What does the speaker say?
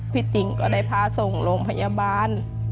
พี่ติ๋งก็ได้พาส่งลงพยาบาล